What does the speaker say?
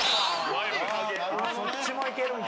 そっちもいけるんか。